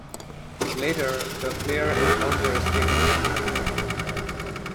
Later, the player encounters Stephanie McMahon.